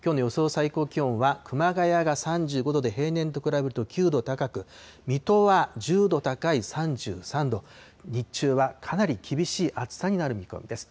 最高気温は、熊谷が３５度で、平年と比べると９度高く、水戸は１０度高い３３度、日中はかなり厳しい暑さになる見込みです。